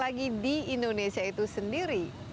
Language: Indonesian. lagi di indonesia itu sendiri